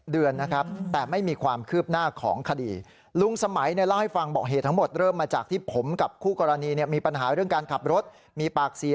๗เดือนนะครับแต่ไม่มีความคืบหน้าของคดี